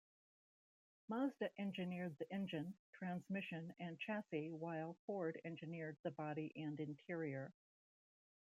Mazda engineered the engine, transmission, and chassis, while Ford engineered the body and interior.